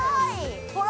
◆ほら。